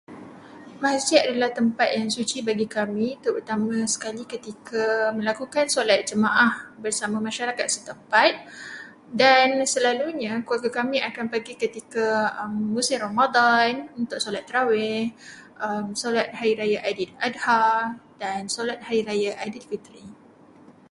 Masjid adalah tempat yang suci bagi kami terutama sekali ketika melakukan solat jemaah bersama masyarakat setempat dan selalunya keluarga kami akan pergi ketika musim ramadan untuk solat tarawih, solat Hari Raya Aidiladha dan solat Hari Raya Aidilfitri.